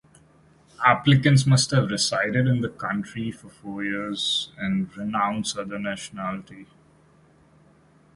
Applicants must have resided in the country for four years and renounce other nationality.